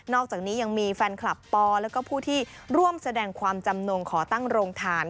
อกจากนี้ยังมีแฟนคลับปแล้วก็ผู้ที่ร่วมแสดงความจำนงขอตั้งโรงทาน